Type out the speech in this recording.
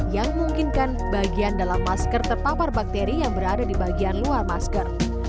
yang memungkinkan bagian dalam masker terpapar bakteri yang berada di bagian luar masker